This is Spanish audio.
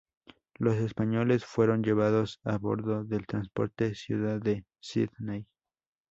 Los españoles fueron llevados a bordo del transporte Ciudad De Sydney.